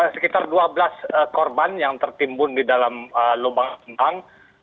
sekitar dua belas korban yang tertimbun di dalam lubang lubang